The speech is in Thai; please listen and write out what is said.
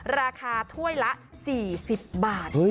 ราคาถ้วยละ๔๐บาท